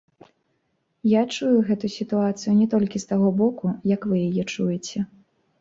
Я чую гэту сітуацыю не толькі з таго боку, як вы яе чуеце.